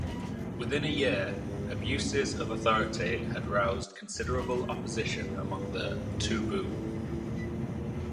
Within a year, abuses of authority had roused considerable opposition among the Toubou.